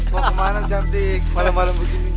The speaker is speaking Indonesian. kok kemana cantik malam malam begini